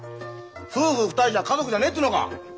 夫婦二人じゃ家族じゃねえっつうのか。